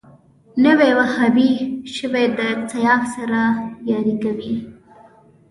نوی وهابي شوی د سیاف سره ياري کوي